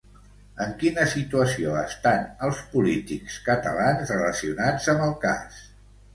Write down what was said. En quina situació estan els polítics catalans relacionats amb el cas?